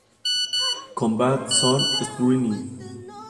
Combat Zone Wrestling